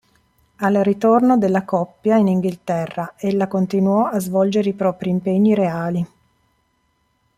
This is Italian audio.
Al ritorno della coppia in Inghilterra ella continuò a svolgere i propri impegni reali.